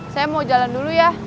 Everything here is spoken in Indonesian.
saya mau jalan dulu ya